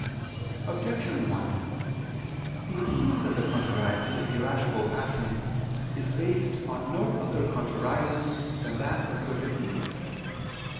Objection 1: It would seem that the contrariety of the irascible passions is based on no other contrariety than that of good and evil.